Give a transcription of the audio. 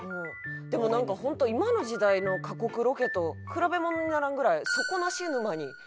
でもなんかホント今の時代の過酷ロケと比べ物にならんぐらい「底無し沼に巨大ワニ！